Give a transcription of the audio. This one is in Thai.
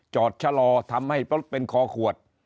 ชะลอทำให้รถเป็นคอขวด